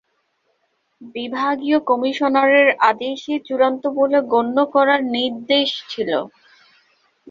বিভাগীয় কমিশনারের আদেশই চূড়ান্ত বলে গণ্য করার নির্দেশ ছিল।